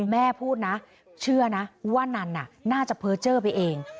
แม่พูดนะเชื่อนะว่านานน่าจะเผลอเจ้อไปเอง